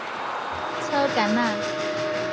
草橄仔